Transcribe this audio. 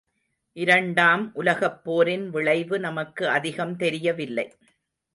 இரண்டாம் உலகப்போரின் விளைவு நமக்கு அதிகம் தெரியவில்லை.